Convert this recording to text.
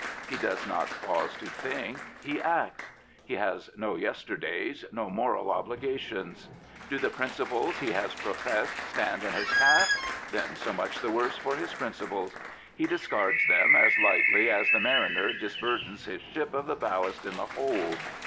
He does not pause to think: he acts. He has no yesterdays, no moral obligations. Do the principles he has pro fessed stand in his path? Then so much the worse for his principles. He discards them as lightly as the mariner disburdens his ship of the ballast in the hold.